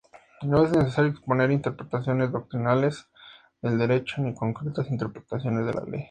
No es necesario exponer interpretaciones doctrinales del derecho, ni concretas interpretaciones de la ley.